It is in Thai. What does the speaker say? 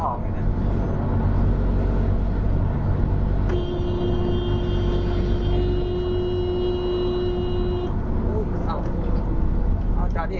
หอมนะเดี๋ยวจะไปละ